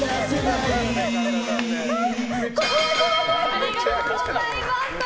ありがとうございます。